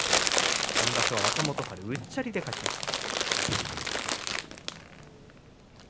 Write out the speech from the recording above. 先場所は若元春がうっちゃりで勝ちました。